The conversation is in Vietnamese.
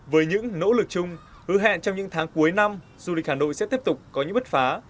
với những nỗ lực chung hứa hẹn trong những tháng cuối năm duy tích hà nội sẽ tiếp tục có những bất phá